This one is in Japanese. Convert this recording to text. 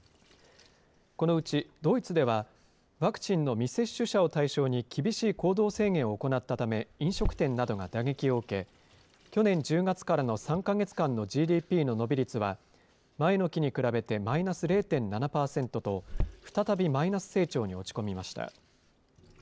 このうち、ドイツでは、ワクチンの未接種者を対象に厳しい行動制限を行ったため、飲食店などが打撃を受け、去年１０月からの３か月間のＧＤＰの伸び率は、前の期に比べてマイナス０．７％と、再びマイナス成長に落ち込みました。